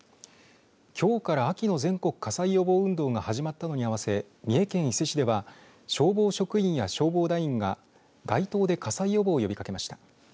きょうから秋の全国火災予防運動が始まったのに合わせ三重県伊勢市では消防職員や消防団員が街頭で火災予防を呼びかけました。